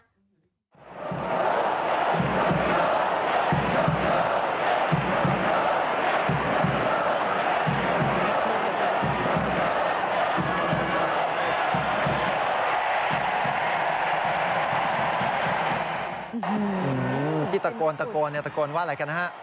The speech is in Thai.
อืมที่ตะโกนตะโกนเนี่ยตะโกนว่าอะไรกันนะฮะ